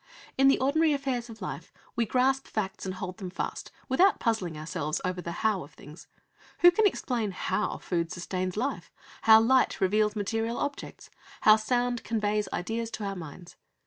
In the ordinary affairs of life we grasp facts, and hold them fast, without puzzling ourselves over the how of things. Who can explain how food sustains life; how light reveals material objects, how sound conveys ideas to our minds?